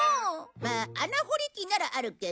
まあ穴ほり機ならあるけど。